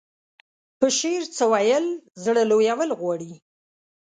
په شعر څه ويل زړه لويول غواړي.